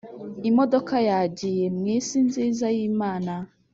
imodoka yagiye, - mwisi nziza yimana